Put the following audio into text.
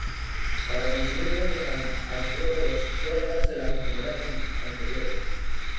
Para consumir grandes artrópodos suele ayudarse de las extremidades anteriores.